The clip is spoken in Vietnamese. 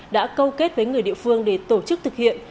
đã câu kết với người địa phương để tổ chức thực hiện